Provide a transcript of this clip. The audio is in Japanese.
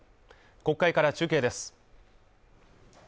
国会から中継です。